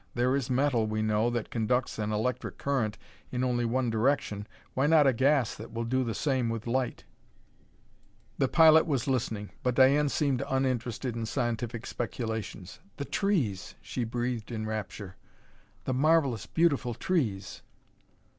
There is metal, we know, that conducts an electric current in only one direction: why not a gas that will do the same with light?" The pilot was listening, but Diane seemed uninterested in scientific speculations. "The trees!" she breathed in rapture; "the marvelous, beautiful trees!"